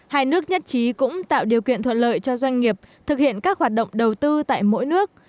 hai nước nhất trí cũng tạo điều kiện thuận lợi cho doanh nghiệp thực hiện các hoạt động đầu tư tại mỗi nước